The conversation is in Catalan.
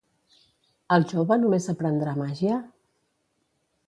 El jove només aprendrà màgia?